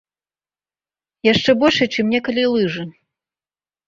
Яшчэ большай, чым некалі лыжы.